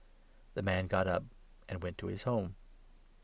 The man got up and went to his home.